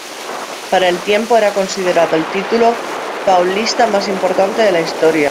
Para el tiempo, era considerado el título paulista más importante de la historia.